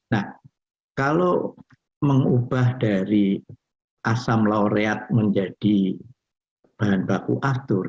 nah kalau mengubah dari asam laureat menjadi bahan baku aftur